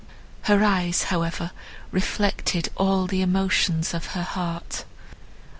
Her eyes, however, reflected all the emotions of her heart.